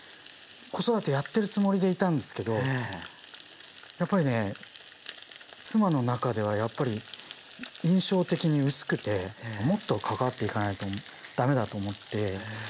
子育てやってるつもりでいたんですけどやっぱりね妻の中ではやっぱり印象的に薄くてもっと関わっていかないとダメだと思って。